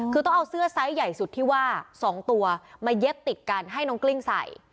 คือต้องเอาเสื้อไซส์ใหญ่สุดที่ว่า๒ตัวมาเย็บติดกันให้น้องกลิ้งใส่